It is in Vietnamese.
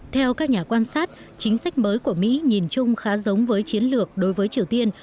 theo các nhà quan sát chính sách mới của mỹ nhìn chung khá giống với chiến lược đối với triều tiên